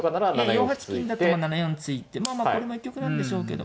４八金だと７四突いてまあこれも一局なんでしょうけど。